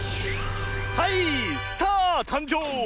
はいスターたんじょう！